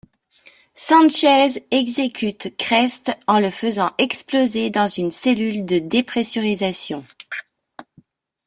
Sanchez exécute Krest en le faisant exploser dans une cellule de dépressurisation.